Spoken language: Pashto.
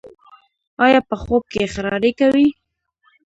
ایا په خوب کې خراری کوئ؟